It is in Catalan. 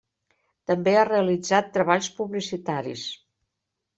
També ha realitzat treballs publicitaris.